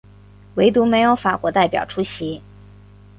惟独没有法国代表出席。